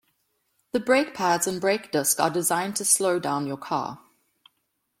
The brake pads and brake disc are designed to slow down your car.